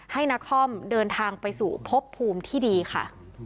นาคอมเดินทางไปสู่พบภูมิที่ดีค่ะ